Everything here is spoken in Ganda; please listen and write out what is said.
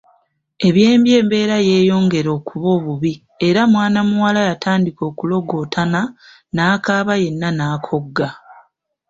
Ebyembi embeera yeeyongera kuba bubi era mwana muwala yatandika okulogootana n’akaaba yenna n’akogga.